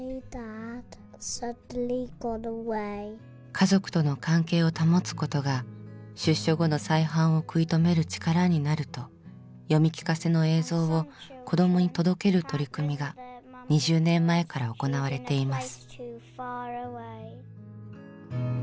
家族との関係を保つことが出所後の再犯を食い止める力になると読み聞かせの映像を子どもに届ける取り組みが２０年前から行われています。